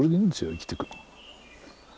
生きてくの。